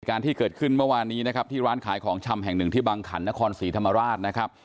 การที่เกิดขึ้นเมื่อวานนี้นะครับที่ร้านขายของชำแห่งหนึ่งที่บังขันนครศรีธรรมราชนะครับ